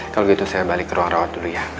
kalau gitu saya balik ke ruang rawat dulu ya